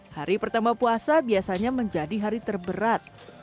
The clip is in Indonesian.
hari pertama puasa biasanya menjadi hari terberat